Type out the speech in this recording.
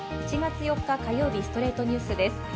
１月４日、火曜日『ストレイトニュース』です。